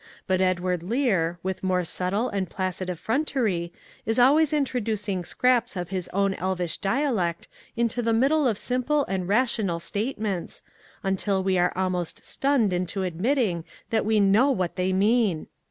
But Edward Lear, with more subtle and placid effrontery, is always introducing scraps of his own elvish dialect into the middle of simple and rational state ments, until we are almost stunned into admitting that we know what they mean.